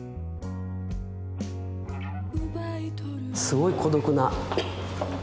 すごい孤独な。